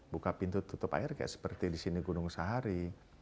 buka pintu tutup air seperti disini gunung sahari